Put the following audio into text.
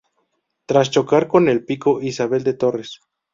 Tras chocar con el pico Isabel de Torres.